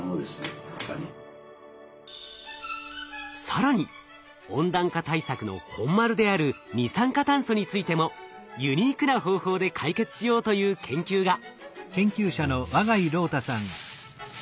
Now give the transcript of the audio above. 更に温暖化対策の本丸である二酸化炭素についてもユニークな方法で解決しようという研究が。